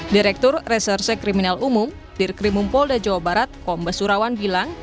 direktur reserse kriminal umum dir krimumpol da jawa barat kom basurawan bilang